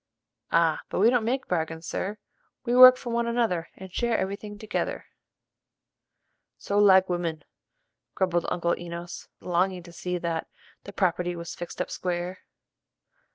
"Ah, but we don't make bargains, sir: we work for one another and share every thing together." "So like women!" grumbled Uncle Enos, longing to see that "the property was fixed up square."